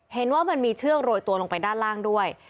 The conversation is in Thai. เห็นว่ามันมีเชือกโรยตัวลงไปด้านล่างด้วย